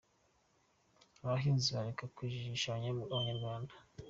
“Abahanzi bareke kujijisha Abanyarwanda”